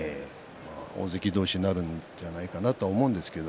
大関同士になるんじゃないかなと思うんですけど。